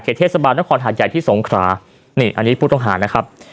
เทศบาลนครหาดใหญ่ที่สงขรานี่อันนี้ผู้ต้องหานะครับ